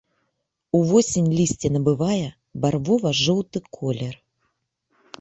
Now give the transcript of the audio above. Увосень лісце набывае барвова-жоўты колер.